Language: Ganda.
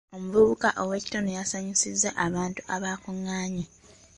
Omuvubuka ow'ekitone yasanyusizza abantu abaakungaanye.